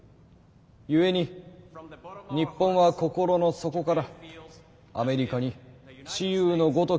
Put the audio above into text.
ゆえに日本は心の底からアメリカに師友のごとき思いを」。